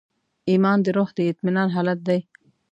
ایمان د روح د اطمینان حالت دی.